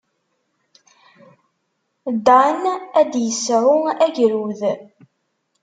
Dan ad d-yesɛu agrud.